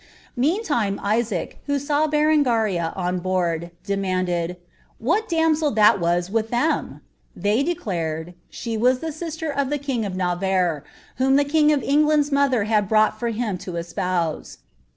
Meantime Isaac, who saw Bcrennria «a boanl, demanded ■ ^Vhal damsel that was with tliem .''' Thev declard, J was the sister of ihe king o( Na\ arre, whom the king of Enj land's mother had brought for him to espous*.'